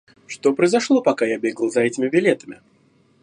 Что произошло, пока я бегал за этими билетами?